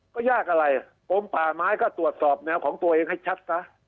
ก็ยากอะไรกรมป่าไม้ก็ตรวจสอบแนวของตัวเองให้ชัดซะ